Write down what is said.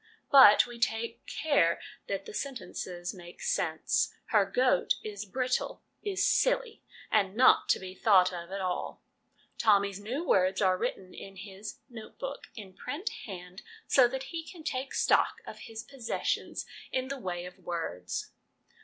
But we take care that the sentences make sense. Her goat is brittle, is ' silly,' and not to be thought of at all. Tommy's new words are written in his ' note book ' in print hand, so that he can take stock of his possessions in the way of words.